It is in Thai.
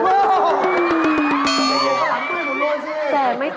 เย็นค่ะหลังประชาสัมพันธ์สิ